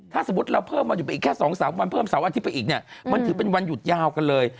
ถ้าเมื่อมี๒อันที่อีกเราคือวันหยุดยาวกันเลย